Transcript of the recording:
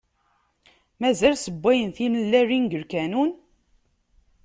Mazal ssewwayyen timellalin deg lkanun?